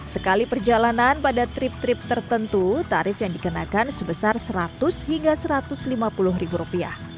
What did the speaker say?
sekali perjalanan pada trip trip tertentu tarif yang dikenakan sebesar seratus hingga satu ratus lima puluh ribu rupiah